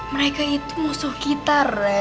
mereka itu musuh kita re